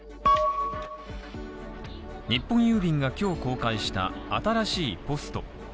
日本郵便が今日公開した新しいポスト。